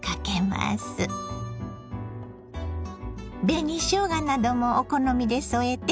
紅しょうがなどもお好みで添えて。